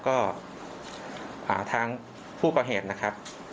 ก็ทางผู้ก่อเหตุนะครับ